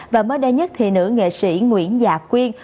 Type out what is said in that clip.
và mới đây nhất thì nữ nghệ sĩ nguyễn dạ quyên